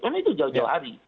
karena itu jauh jauh hari